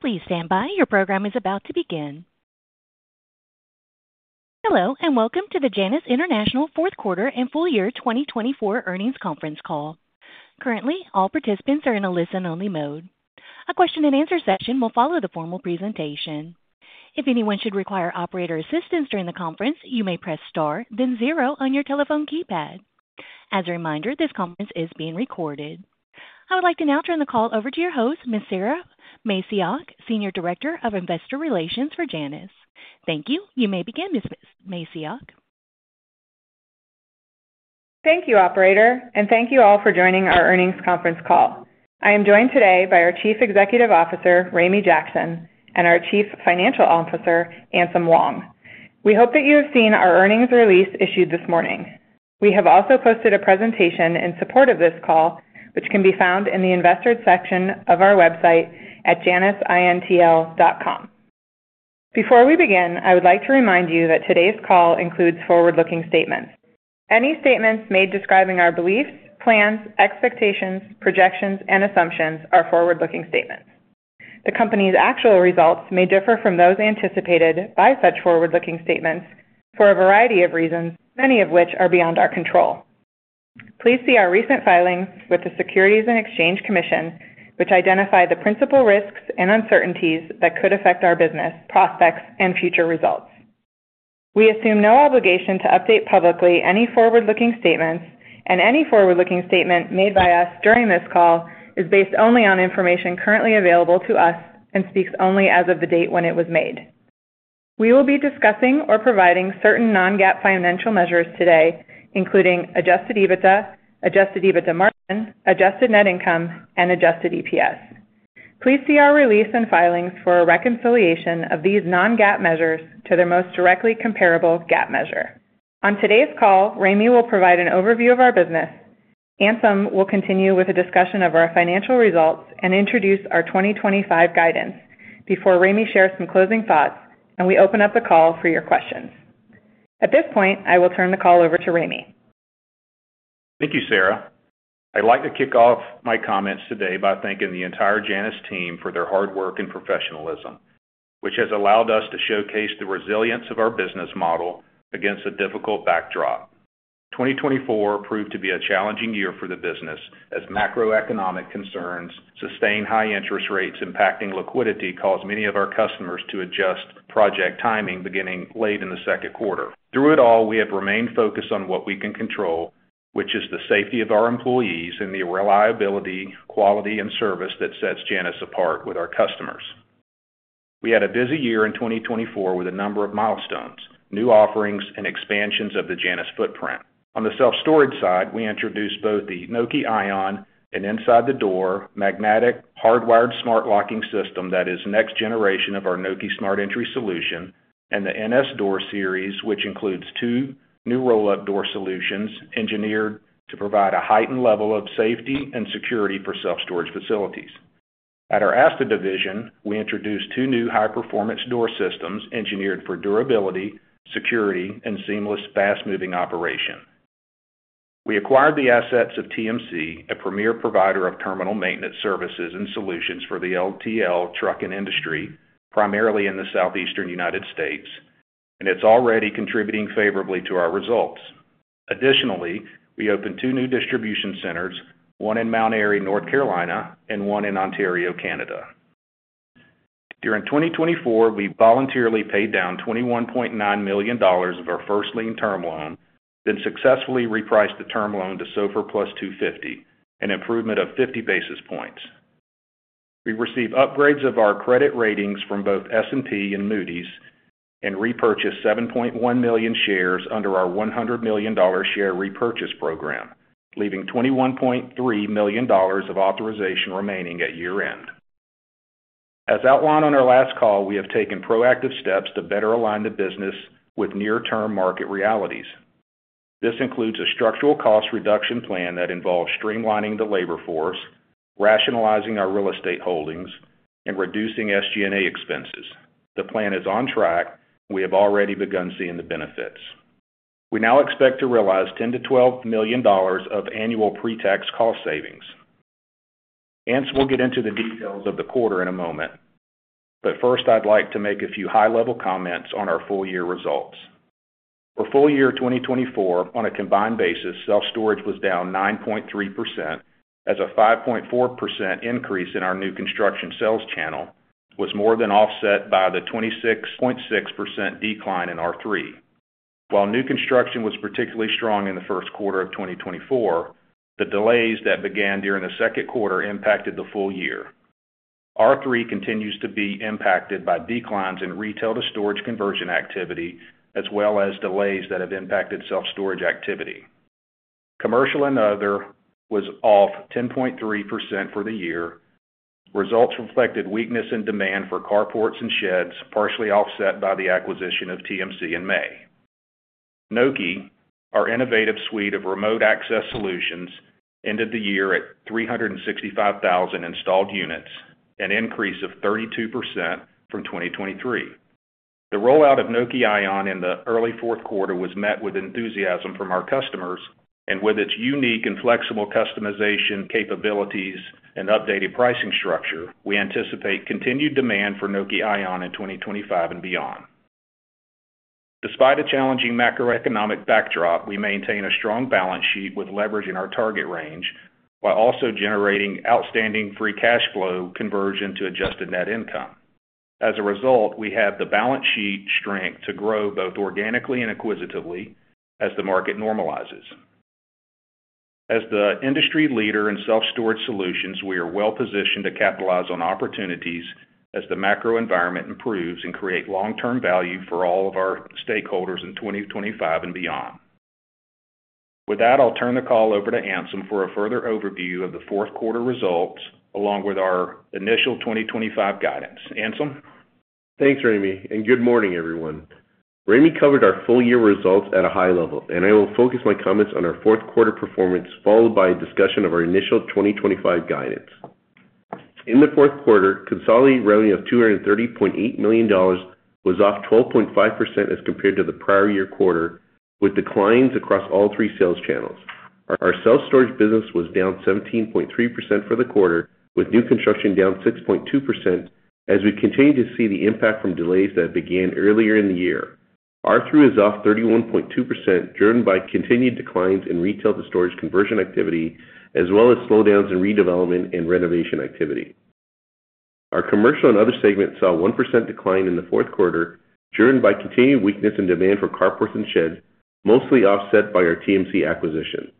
Please stand by. Your program is about to begin. Hello, and welcome to the Janus International fourth quarter and full year 2024 earnings conference call. Currently, all participants are in a listen-only mode. A question-and-answer session will follow the formal presentation. If anyone should require operator assistance during the conference, you may press star, then zero on your telephone keypad. As a reminder, this conference is being recorded. I would like to now turn the call over to your host, Ms. Sara Macioch, Senior Director of Investor Relations for Janus. Thank you. You may begin, Ms. Macioch. Thank you, operator, and thank you all for joining our earnings conference call. I am joined today by our Chief Executive Officer, Ramey Jackson, and our Chief Financial Officer, Anselm Wong. We hope that you have seen our earnings release issued this morning. We have also posted a presentation in support of this call, which can be found in the investors section of our website at janusintl.com. Before we begin, I would like to remind you that today's call includes forward-looking statements. Any statements made describing our beliefs, plans, expectations, projections, and assumptions are forward-looking statements. The company's actual results may differ from those anticipated by such forward-looking statements for a variety of reasons, many of which are beyond our control. Please see our recent filings with the Securities and Exchange Commission, which identify the principal risks and uncertainties that could affect our business, prospects, and future results. We assume no obligation to update publicly any forward-looking statements, and any forward-looking statement made by us during this call is based only on information currently available to us and speaks only as of the date when it was made. We will be discussing or providing certain non-GAAP financial measures today, including Adjusted EBITDA, Adjusted EBITDA margin, Adjusted Net Income, and Adjusted EPS. Please see our release and filings for a reconciliation of these non-GAAP measures to their most directly comparable GAAP measure. On today's call, Ramey will provide an overview of our business. Anselm will continue with a discussion of our financial results and introduce our 2025 guidance before Ramey shares some closing thoughts, and we open up the call for your questions. At this point, I will turn the call over to Ramey. Thank you, Sara. I'd like to kick off my comments today by thanking the entire Janus team for their hard work and professionalism, which has allowed us to showcase the resilience of our business model against a difficult backdrop. 2024 proved to be a challenging year for the business as macroeconomic concerns, sustained high interest rates impacting liquidity caused many of our customers to adjust project timing beginning late in the second quarter. Through it all, we have remained focused on what we can control, which is the safety of our employees and the reliability, quality, and service that sets Janus apart with our customers. We had a busy year in 2024 with a number of milestones, new offerings, and expansions of the Janus footprint. On the self-storage side, we introduced both the Nokē Ion and inside-the-door magnetic hardwired smart locking system that is next generation of our Nokē Smart Entry solution, and the NS Series doors, which includes two new roll-up door solutions engineered to provide a heightened level of safety and security for self-storage facilities. At our ASTA division, we introduced two new high-performance door systems engineered for durability, security, and seamless fast-moving operation. We acquired the assets of TMC, a premier provider of terminal maintenance services and solutions for the LTL trucking industry, primarily in the Southeastern United States, and it's already contributing favorably to our results. Additionally, we opened two new distribution centers, one in Mount Airy, North Carolina, and one in Ontario, Canada. During 2024, we voluntarily paid down $21.9 million of our first lien term loan, then successfully repriced the term loan to SOFR+250, an improvement of 50 basis points. We received upgrades of our credit ratings from both S&P and Moody's and repurchased 7.1 million shares under our $100 million share repurchase program, leaving $21.3 million of authorization remaining at year-end. As outlined on our last call, we have taken proactive steps to better align the business with near-term market realities. This includes a structural cost reduction plan that involves streamlining the labor force, rationalizing our real estate holdings, and reducing SG&A expenses. The plan is on track, and we have already begun seeing the benefits. We now expect to realize $10 million-$12 million of annual pre-tax cost savings. Anselm will get into the details of the quarter in a moment, but first, I'd like to make a few high-level comments on our full-year results. For full year 2024, on a combined basis, self-storage was down 9.3% as a 5.4% increase in our New Construction sales channel was more than offset by the 26.6% decline in R3. While New Construction was particularly strong in the first quarter of 2024, the delays that began during the second quarter impacted the full year. R3 continues to be impacted by declines in retail-to-storage conversion activity as well as delays that have impacted self-storage activity. Commercial and Other was off 10.3% for the year. Results reflected weakness in demand for carports and sheds, partially offset by the acquisition of TMC in May. Nokē, our innovative suite of remote access solutions, ended the year at 365,000 installed units, an increase of 32% from 2023. The rollout of Nokē Ion in the early fourth quarter was met with enthusiasm from our customers, and with its unique and flexible customization capabilities and updated pricing structure, we anticipate continued demand for Nokē Ion in 2025 and beyond. Despite a challenging macroeconomic backdrop, we maintain a strong balance sheet with leverage in our target range while also generating outstanding free cash flow conversion to Adjusted Net Income. As a result, we have the balance sheet strength to grow both organically and acquisitively as the market normalizes. As the industry leader in self-storage solutions, we are well-positioned to capitalize on opportunities as the macro environment improves and create long-term value for all of our stakeholders in 2025 and beyond. With that, I'll turn the call over to Anselm for a further overview of the fourth quarter results along with our initial 2025 guidance. Anselm? Thanks, Ramey, and good morning, everyone. Ramey covered our full-year results at a high level, and I will focus my comments on our fourth quarter performance followed by a discussion of our initial 2025 guidance. In the fourth quarter, consolidated revenue of $230.8 million was off 12.5% as compared to the prior year quarter, with declines across all three sales channels. Our self-storage business was down 17.3% for the quarter, with New Construction down 6.2% as we continue to see the impact from delays that began earlier in the year. R3 was off 31.2% driven by continued declines in retail-to-storage conversion activity as well as slowdowns in redevelopment and renovation activity. Our Commercial and Other segments saw a 1% decline in the fourth quarter driven by continued weakness in demand for carports and sheds, mostly offset by our TMC acquisition.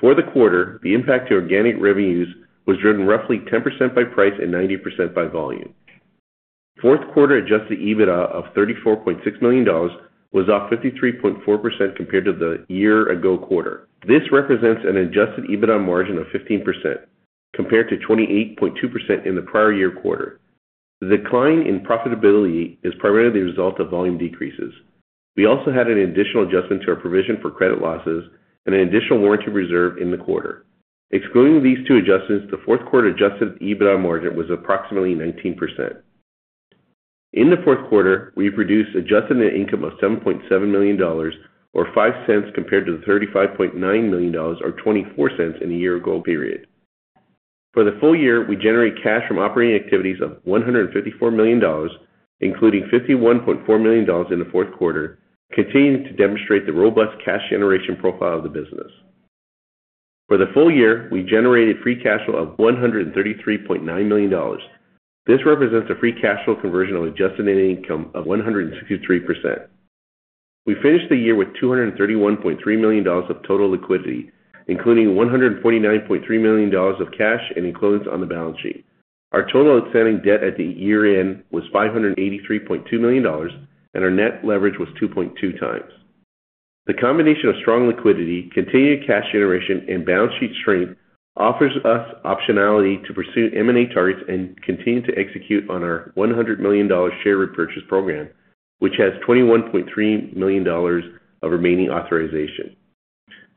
For the quarter, the impact to organic revenues was driven roughly 10% by price and 90% by volume. Fourth quarter Adjusted EBITDA of $34.6 million was off 53.4% compared to the year-ago quarter. This represents an Adjusted EBITDA margin of 15% compared to 28.2% in the prior year quarter. The decline in profitability is primarily the result of volume decreases. We also had an additional adjustment to our provision for credit losses and an additional warranty reserve in the quarter. Excluding these two adjustments, the fourth quarter Adjusted EBITDA margin was approximately 19%. In the fourth quarter, we produced Adjusted Net Income of $7.7 million or $0.05 compared to the $35.9 million or $0.24 in a year-ago period. For the full year, we generated cash from operating activities of $154 million, including $51.4 million in the fourth quarter, continuing to demonstrate the robust cash generation profile of the business. For the full year, we generated free cash flow of $133.9 million. This represents a free cash flow conversion of Adjusted Net Income of 163%. We finished the year with $231.3 million of total liquidity, including $149.3 million of cash and equivalents on the balance sheet. Our total outstanding debt at the year-end was $583.2 million, and our net leverage was 2.2 times. The combination of strong liquidity, continued cash generation, and balance sheet strength offers us optionality to pursue M&A targets and continue to execute on our $100 million share repurchase program, which has $21.3 million of remaining authorization.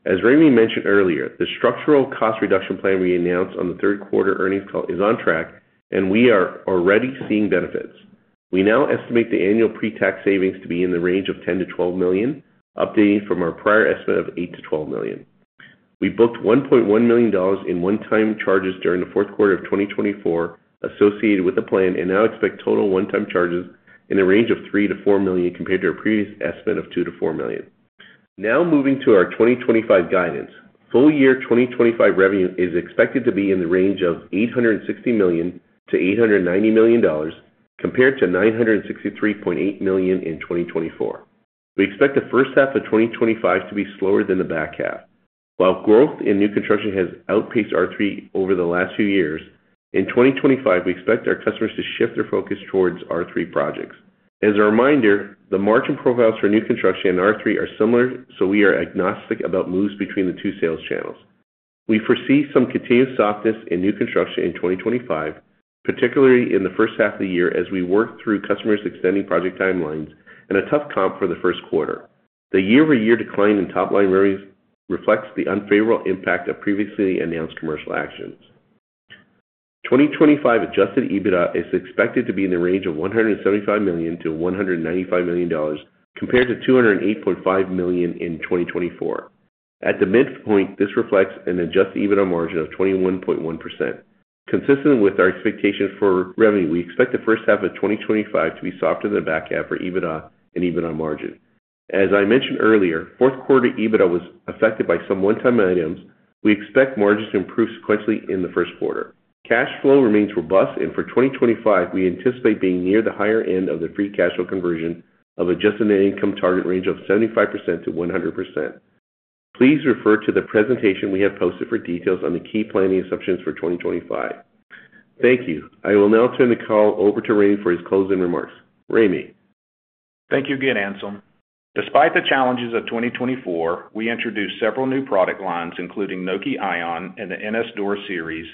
As Ramey mentioned earlier, the structural cost reduction plan we announced on the third quarter earnings call is on track, and we are already seeing benefits. We now estimate the annual pre-tax savings to be in the range of $10-$12 million, updating from our prior estimate of $8-$12 million. We booked $1.1 million in one-time charges during the fourth quarter of 2024 associated with the plan and now expect total one-time charges in the range of $3 million-$4 million compared to our previous estimate of $2 million-$4 million. Now moving to our 2025 guidance, full year 2025 revenue is expected to be in the range of $860 million-$890 million compared to $963.8 million in 2024. We expect the first half of 2025 to be slower than the back half. While growth in New Construction has outpaced R3 over the last few years, in 2025, we expect our customers to shift their focus towards R3 projects. As a reminder, the margin profiles for New Construction in R3 are similar, so we are agnostic about moves between the two sales channels. We foresee some continued softness in New Construction in 2025, particularly in the first half of the year as we work through customers' extending project timelines and a tough comp for the first quarter. The year-over-year decline in top line revenues reflects the unfavorable impact of previously announced commercial actions. 2025 Adjusted EBITDA is expected to be in the range of $175-$195 million compared to $208.5 million in 2024. At the midpoint, this reflects an Adjusted EBITDA margin of 21.1%. Consistent with our expectations for revenue, we expect the first half of 2025 to be softer than the back half for EBITDA and EBITDA margin. As I mentioned earlier, fourth quarter EBITDA was affected by some one-time items. We expect margins to improve sequentially in the first quarter. Cash flow remains robust, and for 2025, we anticipate being near the higher end of the free cash flow conversion of Adjusted Net Income target range of 75%-100%. Please refer to the presentation we have posted for details on the key planning assumptions for 2025. Thank you. I will now turn the call over to Ramey for his closing remarks. Ramey. Thank you again, Anselm. Despite the challenges of 2024, we introduced several new product lines, including Nokē Ion and the NS Door series,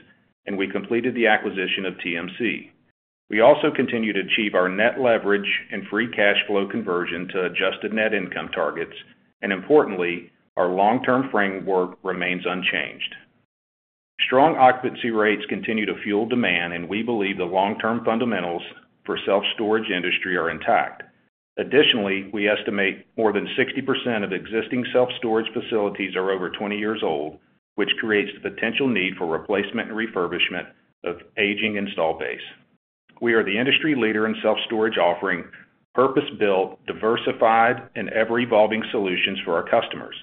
and we completed the acquisition of TMC. We also continue to achieve our net leverage and free cash flow conversion to Adjusted Net Income targets, and importantly, our long-term framework remains unchanged. Strong occupancy rates continue to fuel demand, and we believe the long-term fundamentals for the self-storage industry are intact. Additionally, we estimate more than 60% of existing self-storage facilities are over 20 years old, which creates the potential need for replacement and refurbishment of aging install base. We are the industry leader in self-storage offering purpose-built, diversified, and ever-evolving solutions for our customers.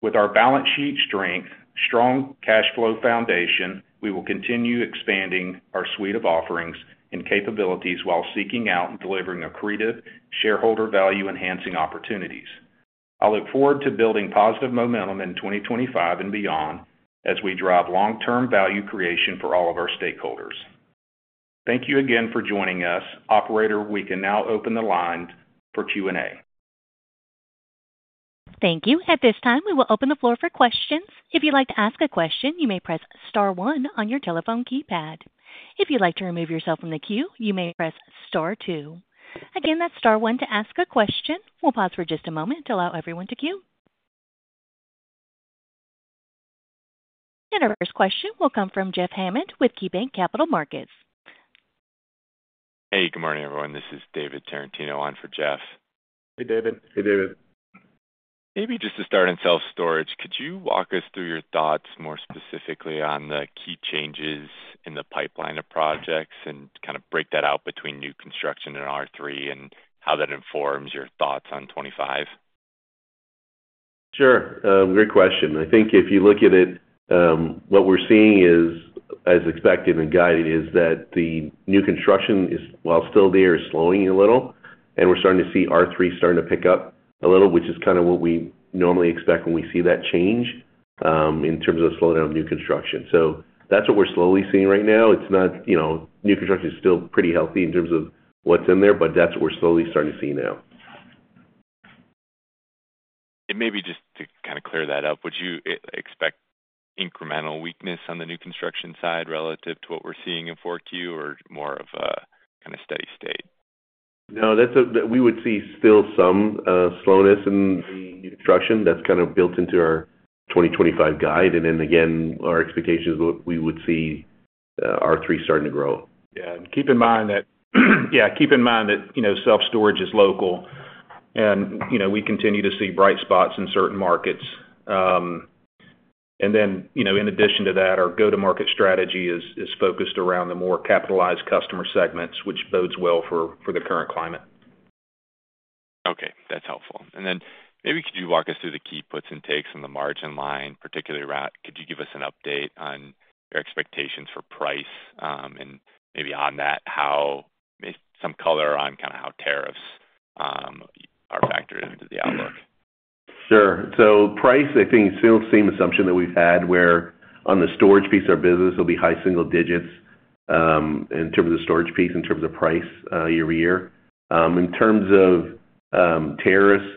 With our balance sheet strength, strong cash flow foundation, we will continue expanding our suite of offerings and capabilities while seeking out and delivering accretive shareholder value-enhancing opportunities. I look forward to building positive momentum in 2025 and beyond as we drive long-term value creation for all of our stakeholders. Thank you again for joining us. Operator, we can now open the line for Q&A. Thank you. At this time, we will open the floor for questions. If you'd like to ask a question, you may press star one on your telephone keypad. If you'd like to remove yourself from the queue, you may press star two. Again, that's star one to ask a question. We'll pause for just a moment to allow everyone to queue, and our first question will come from Jeff Hammond with KeyBanc Capital Markets. Hey, good morning, everyone. This is David Tarantino on for Jeff. Hey, David. Hey, David. Maybe just to start on self-storage, could you walk us through your thoughts more specifically on the key changes in the pipeline of projects and kind of break that out between New Construction and R3 and how that informs your thoughts on 2025? Sure. Great question. I think if you look at it, what we're seeing is, as expected and guided, is that the New Construction, while still there, is slowing a little, and we're starting to see R3 starting to pick up a little, which is kind of what we normally expect when we see that change in terms of the slowdown of New Construction. So that's what we're slowly seeing right now. New Construction is still pretty healthy in terms of what's in there, but that's what we're slowly starting to see now. Maybe just to kind of clear that up, would you expect incremental weakness on the New Construction side relative to what we're seeing in 4Q or more of a kind of steady state? No, we would see still some slowness in New Construction. That's kind of built into our 2025 guide. And then again, our expectation is we would see R3 starting to grow. Yeah. And keep in mind that self-storage is local, and we continue to see bright spots in certain markets. And then in addition to that, our go-to-market strategy is focused around the more capitalized customer segments, which bodes well for the current climate. Okay. That's helpful. And then maybe could you walk us through the key puts and takes on the margin line, particularly around, could you give us an update on your expectations for price and maybe on that, some color on kind of how tariffs are factored into the outlook? Sure. So price, I think, is still the same assumption that we've had where on the storage piece of our business, it'll be high single digits in terms of the storage piece, in terms of price year-to-year. In terms of tariffs,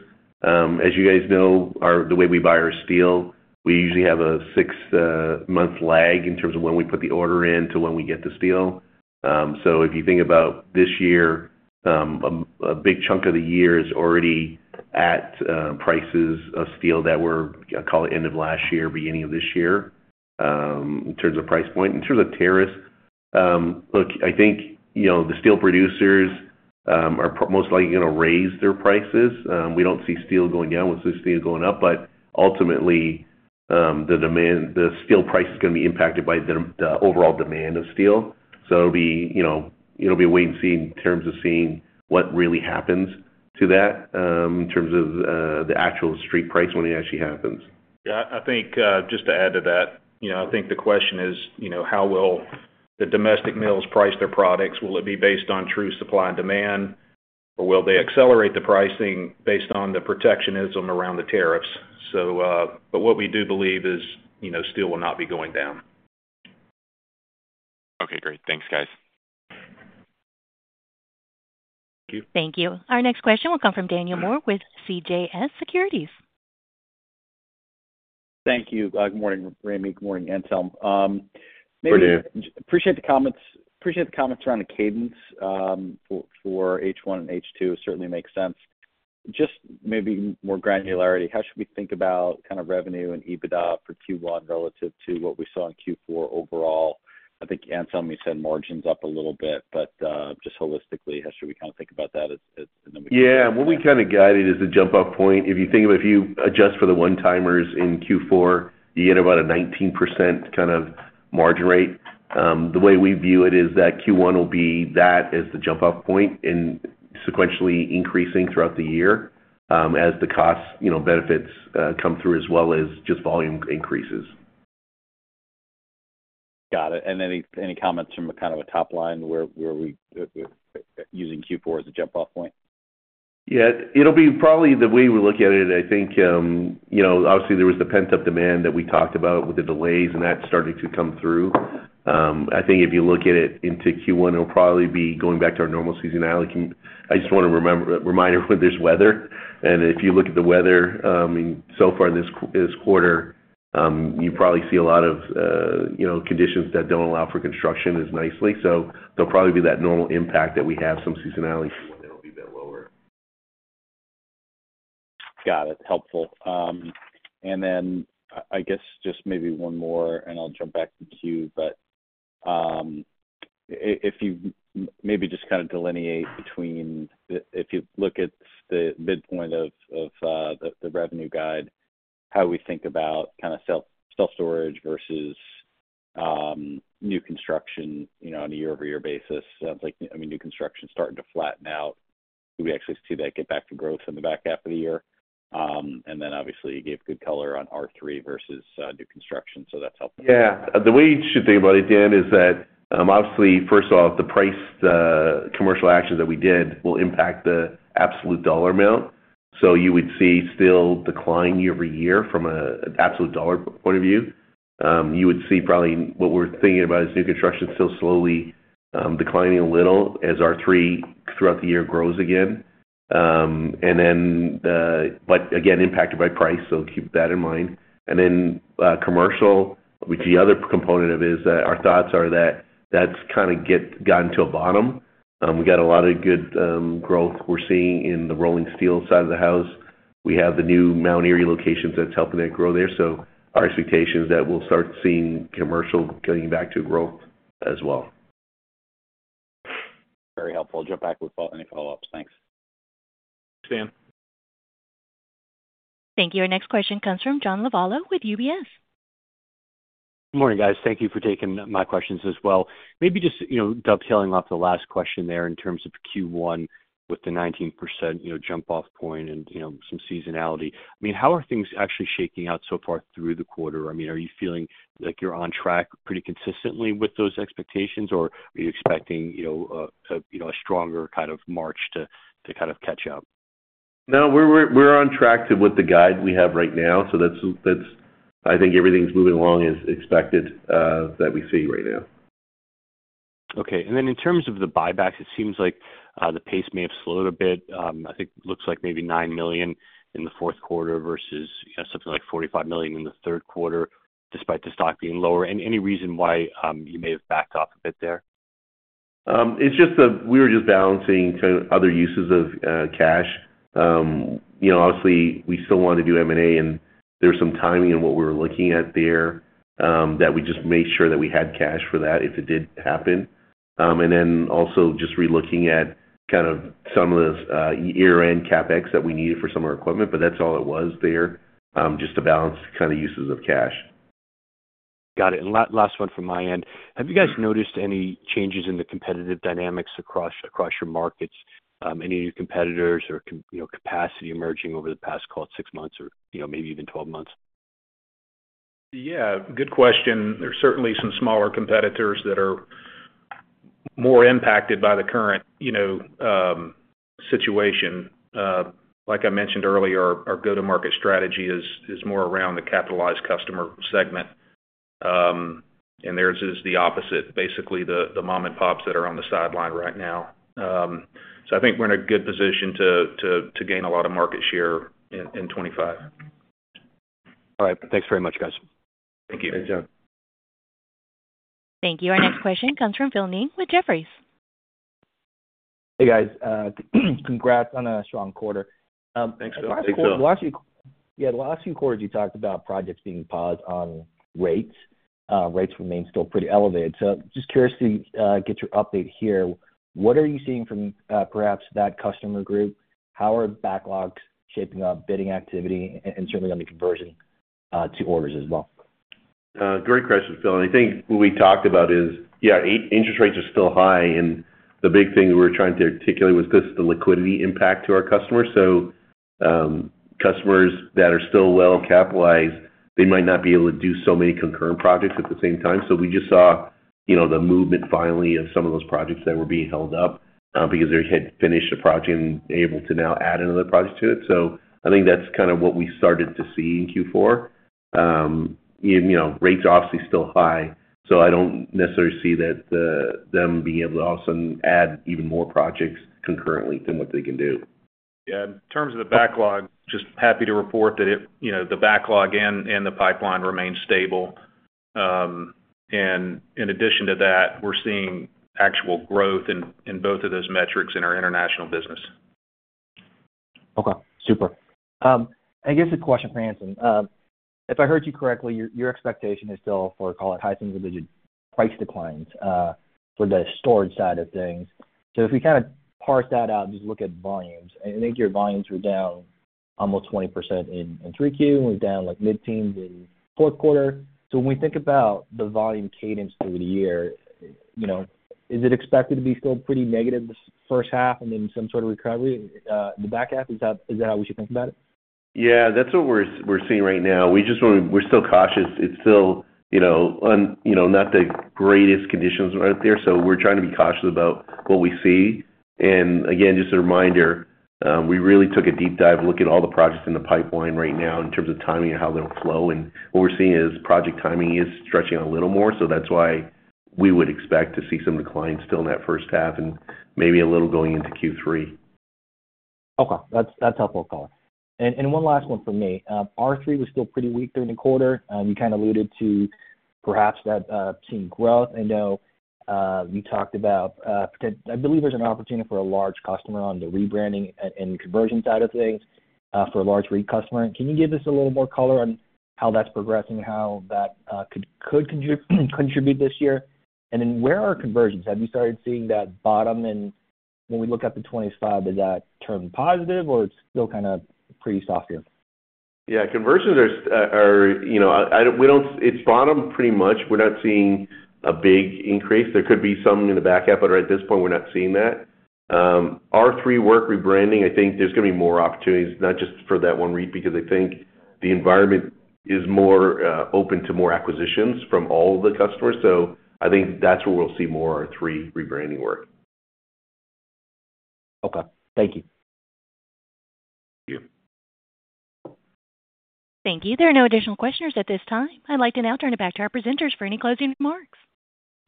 as you guys know, the way we buy our steel, we usually have a six-month lag in terms of when we put the order in to when we get the steel. So if you think about this year, a big chunk of the year is already at prices of steel that we're, I'll call it, end of last year, beginning of this year in terms of price point. In terms of tariffs, look, I think the steel producers are most likely going to raise their prices. We don't see steel going down. We'll see steel going up, but ultimately, the steel price is going to be impacted by the overall demand of steel. So it'll be a wait-and-see in terms of seeing what really happens to that in terms of the actual steel price when it actually happens. Yeah. I think just to add to that, I think the question is, how will the domestic mills price their products? Will it be based on true supply and demand, or will they accelerate the pricing based on the protectionism around the tariffs? But what we do believe is steel will not be going down. Okay. Great. Thanks, guys. Thank you. Thank you. Our next question will come from Daniel Moore with CJS Securities. Thank you. Good morning, Ramey. Good morning, Anselm. Good morning. Appreciate the comments around the cadence for H1 and H2. It certainly makes sense. Just maybe more granularity, how should we think about kind of revenue and EBITDA for Q1 relative to what we saw in Q4 overall? I think Anselm, you said margins up a little bit, but just holistically, how should we kind of think about that? And then we can. Yeah. What we kind of guided is the jump-off point. If you think about, if you adjust for the one-timers in Q4, you get about a 19% kind of margin rate. The way we view it is that Q1 will be that as the jump-off point and sequentially increasing throughout the year as the cost benefits come through as well as just volume increases. Got it. And any comments from kind of a top line where we're using Q4 as a jump-off point? Yeah. It'll be probably the way we look at it. I think, obviously, there was the pent-up demand that we talked about with the delays, and that's starting to come through. I think if you look at it into Q1, it'll probably be going back to our normal seasonality. I just want to remind everyone there's weather. And if you look at the weather, I mean, so far this quarter, you probably see a lot of conditions that don't allow for construction as nicely. So there'll probably be that normal impact that we have some seasonality for, and it'll be a bit lower. Got it. Helpful. And then I guess just maybe one more, and I'll jump back to Q, but if you maybe just kind of delineate between if you look at the midpoint of the revenue guide, how we think about kind of self-storage versus New Construction on a year-over-year basis. Sounds like, I mean, New Construction's starting to flatten out. Do we actually see that get back to growth in the back half of the year? And then, obviously, you gave good color on R3 versus New Construction. So that's helpful. Yeah. The way you should think about it, Dan, is that, obviously, first off, the pricing commercial actions that we did will impact the absolute dollar amount. So you would see steel decline year-over-year from an absolute dollar point of view. You would see probably what we're thinking about is New Construction still slowly declining a little as R3 throughout the year grows again. And then, but again, impacted by price, so keep that in mind. And then commercial, which the other component of it is that our thoughts are that that's kind of gotten to a bottom. We've got a lot of good growth we're seeing in the rolling steel side of the house. We have the new Mount Airy locations that's helping that grow there. So our expectation is that we'll start seeing commercial getting back to growth as well. Very helpful. I'll jump back with any follow-ups. Thanks. Thanks, Dan. Thank you. Our next question comes from John Lovallo with UBS. Good morning, guys. Thank you for taking my questions as well. Maybe just dovetailing off the last question there in terms of Q1 with the 19% jump-off point and some seasonality. I mean, how are things actually shaking out so far through the quarter? I mean, are you feeling like you're on track pretty consistently with those expectations, or are you expecting a stronger kind of March to kind of catch up? No, we're on track with the guide we have right now. So I think everything's moving along as expected that we see right now. Okay. And then in terms of the buybacks, it seems like the pace may have slowed a bit. I think it looks like maybe $9 million in the fourth quarter versus something like $45 million in the third quarter despite the stock being lower. And any reason why you may have backed off a bit there? It's just that we were just balancing kind of other uses of cash. Obviously, we still wanted to do M&A, and there was some timing in what we were looking at there that we just made sure that we had cash for that if it did happen, and then also just relooking at kind of some of the year-end CapEx that we needed for some of our equipment, but that's all it was there, just to balance kind of uses of cash. Got it, and last one from my end. Have you guys noticed any changes in the competitive dynamics across your markets, any new competitors or capacity emerging over the past, call it, six months or maybe even 12 months? Yeah. Good question. There's certainly some smaller competitors that are more impacted by the current situation. Like I mentioned earlier, our go-to-market strategy is more around the capitalized customer segment, and theirs is the opposite, basically the mom-and-pops that are on the sideline right now. So I think we're in a good position to gain a lot of market share in 2025. All right. Thanks very much, guys. Thank you. Thanks, John. Thank you. Our next question comes from Philip Ng with Jefferies. Hey, guys. Congrats on a strong quarter. Thanks, Phil. Yeah. The last few quarters, you talked about projects being paused on rates. Rates remain still pretty elevated. So just curious to get your update here. What are you seeing from perhaps that customer group? How are backlogs shaping up, bidding activity, and certainly on the conversion to orders as well? Great question, Phil. And I think what we talked about is, yeah, interest rates are still high. And the big thing we were trying to articulate was just the liquidity impact to our customers. So customers that are still well-capitalized, they might not be able to do so many concurrent projects at the same time. So we just saw the movement finally of some of those projects that were being held up because they had finished a project and able to now add another project to it. So I think that's kind of what we started to see in Q4. Rates are obviously still high, so I don't necessarily see them being able to all of a sudden add even more projects concurrently than what they can do. Yeah. In terms of the backlog, just happy to report that the backlog and the pipeline remain stable. And in addition to that, we're seeing actual growth in both of those metrics in our international business. Okay. Super. I guess a question for Anselm. If I heard you correctly, your expectation is still for, call it, high single-digit price declines for the storage side of things. So if we kind of parse that out and just look at volumes, I think your volumes were down almost 20% in 3Q and down mid-teens in fourth quarter. So when we think about the volume cadence through the year, is it expected to be still pretty negative the first half and then some sort of recovery in the back half? Is that how we should think about it? Yeah. That's what we're seeing right now. We're still cautious. It's still not the greatest conditions right there, so we're trying to be cautious about what we see, and again, just a reminder, we really took a deep dive looking at all the projects in the pipeline right now in terms of timing and how they'll flow, and what we're seeing is project timing is stretching a little more. So that's why we would expect to see some decline still in that first half and maybe a little going into Q3. Okay. That's helpful, Anselm. And one last one for me. R3 was still pretty weak during the quarter. You kind of alluded to perhaps that we've seen growth. I know you talked about, I believe there's an opportunity for a large customer on the rebranding and conversion side of things for a large REIT customer. Can you give us a little more color on how that's progressing, how that could contribute this year? And then where are conversions? Have you started seeing that bottom? And when we look at the 2025, is that turned positive, or it's still kind of pretty softer? Yeah. Conversions are, it's bottom pretty much. We're not seeing a big increase. There could be some in the back half, but right at this point, we're not seeing that. R3 work rebranding, I think there's going to be more opportunities, not just for that one REIT because I think the environment is more open to more acquisitions from all of the customers. So I think that's where we'll see more R3 rebranding work. Okay. Thank you. Thank you. Thank you. There are no additional questions at this time. I'd like to now turn it back to our presenters for any closing remarks.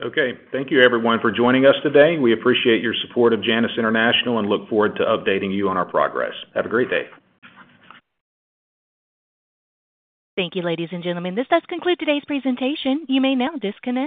Okay. Thank you, everyone, for joining us today. We appreciate your support of Janus International and look forward to updating you on our progress. Have a great day. Thank you, ladies and gentlemen. This does conclude today's presentation. You may now disconnect.